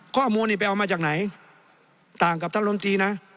ข้อมูลนี้ไปเอามาจากไหนต่างกับท่านลนตรีนะ